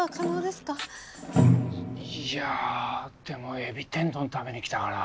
いやあでもエビ天丼食べに来たから。